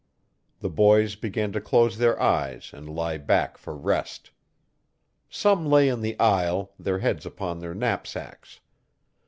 The boys began to close their eyes and lie back for rest. Some lay in the aisle, their heads upon their knapsacks.